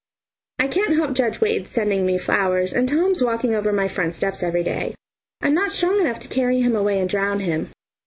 I can't help judge Wade's sending me flowers and Tom's walking over my front steps every day. I'm not strong enough to carry him away and drown him.